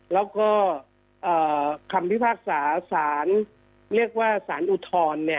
แล้วก็คำพิพากษาสารเรียกว่าสารอุทธรณ์